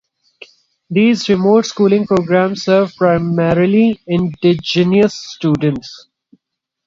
These remote schooling programs serve primarily indigenous students.